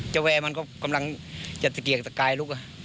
เจ้าแว่มันก็กำลังจะเสกียกสกายลุก